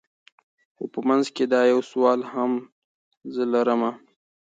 خو په منځ کي دا یو سوال زه هم لرمه